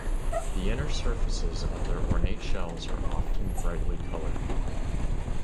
The inner surfaces of their ornate shells are often brightly colored.